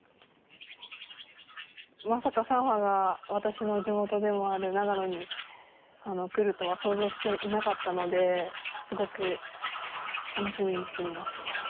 まさかサンファが私の地元でもある長野に来るとは想像していなかったのですごく楽しみにしています。